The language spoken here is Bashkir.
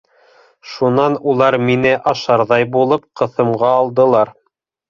Шунан улар мине ашарҙай булып ҡыҫымға алдылар.